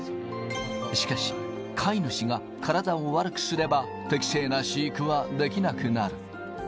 しかし、飼い主が体を悪くすれば、適正な飼育はできなくなる。